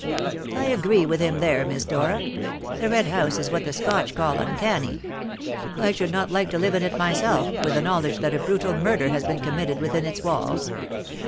"I agree with him there, Miss Dora. The Red House is what the Scotch call uncanny. I should not like to live in it myself, with the knowledge that a brutal murder had been committed within its walls."